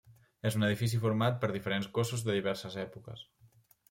És un edifici format per diferents cossos de diverses èpoques.